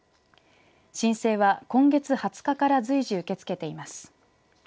申請は今月２０日から随時、受け付けています。